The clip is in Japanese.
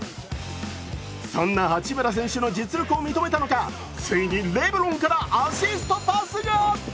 そんな八村選手の実力を認めたのかついにレブロンからアシストパスが。